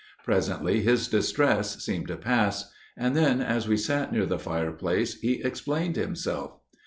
Presently his distress seemed to pass; and then, as we sat near the fireplace, he explained himself.